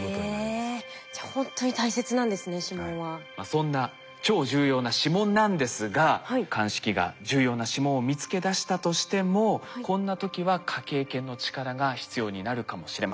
そんな超重要な指紋なんですが鑑識が重要な指紋を見つけ出したとしてもこんな時は科警研の力が必要になるかもしれません。